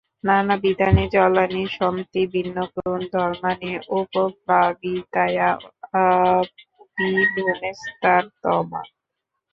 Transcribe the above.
নানাবিধানি জলানি সন্তি ভিন্নগুণ-ধর্মাণি উপপ্লাবিতায়া অপি ভূমেস্তারতম্যাৎ।